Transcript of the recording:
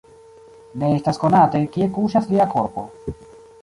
Ne estas konate, kie kuŝas lia korpo.